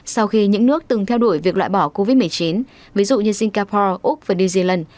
sau khi những nước từng theo đuổi việc loại bỏ covid một mươi chín ví dụ như singapore úc và new zealand